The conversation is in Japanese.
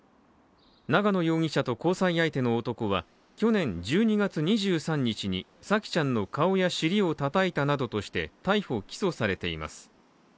長野容疑者と交際相手の男は去年１２月２３日に沙季ちゃんの顔や尻をたたいたなどとして逮捕・起訴されています。